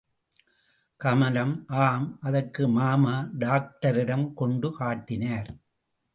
கமலம் ஆம், அதற்கு மாமா டாக்டரிடம் கொண்டு காட்டினார்.